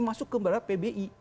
masuk ke barat pbi